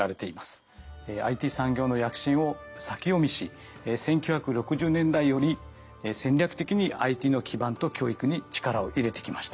ＩＴ産業の躍進を先読みし１９６０年代より戦略的にＩＴの基盤と教育に力を入れてきました。